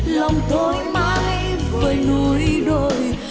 lòng thôi mãi với núi đồi